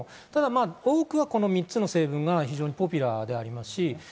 多くは、この３つの成分が非常にポピュラーです。